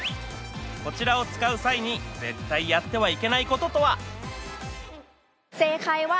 こちらを使う際に絶対やってはいけないこととは？